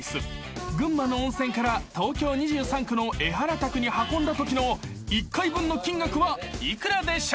［群馬の温泉から東京２３区のエハラ宅に運んだときの１回分の金額は幾らでしょう？］